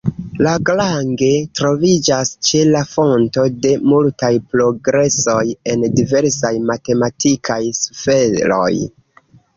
Lagrange troviĝas ĉe la fonto de multaj progresoj en diversaj matematikaj sferoj.